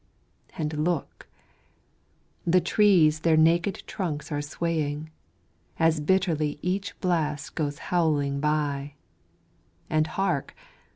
And look! the trees their naked trunks are swaying, As bitterly each blast goes howling by, And hark!